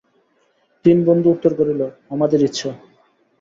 তিন বন্ধু উত্তর করিল, আমাদের ইচ্ছা।